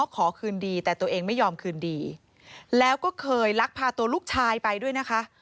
ขอคืนดีแต่ตัวเองไม่ยอมคืนดีแล้วก็เคยลักพาตัวลูกชายไปด้วยนะคะ